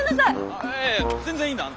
あっいや全然いいんだ。